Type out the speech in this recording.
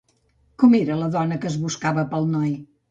Com era la dona que es buscava per al noi?